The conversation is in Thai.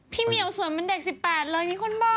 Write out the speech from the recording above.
เหมียวสวยเหมือนเด็ก๑๘เลยมีคนบอก